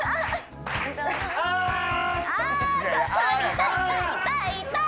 痛い痛い痛い痛い！